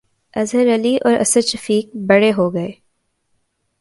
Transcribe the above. اظہر علی اور اسد شفیق 'بڑے' ہو گئے